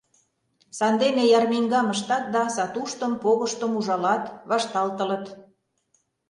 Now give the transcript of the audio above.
Сандене ярмиҥгам ыштат да сатуштым, погыштым ужалат, вашталтылыт.